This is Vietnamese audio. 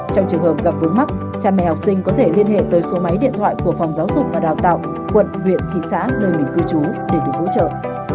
trong trường hợp gặp vướng mắt cha mẹ học sinh có thể liên hệ tới số máy điện thoại của phòng giáo dục và đào tạo quận huyện thị xã nơi mình cư trú để được hỗ trợ